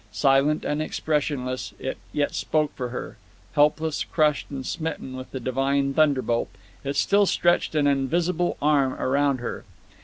Silent and expressionless, it yet spoke for her; helpless, crushed, and smitten with the Divine thunderbolt, it still stretched an invisible arm around her.